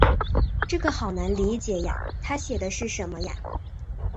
这个好难理解呀，她写的是什么呀？